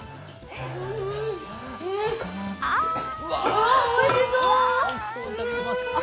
うわ、おいしそう。